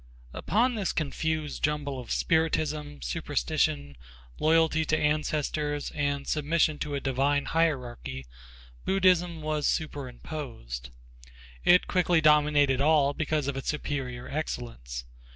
_ Upon this, confused jumble of spiritism, superstition, loyalty to ancestors and submission to a divine hierarchy Buddhism was superimposed. It quickly dominated all because of its superior excellence.